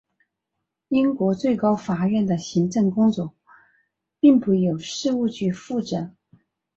英国最高法院的行政工作并不由事务局负责。